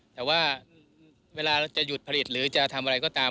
แต่ว่าเวลาเราจะหยุดผลิตหรือจะทำอะไรก็ตาม